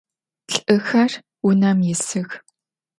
Lh'ıxer vunem yisıx.